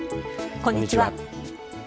こんにちは。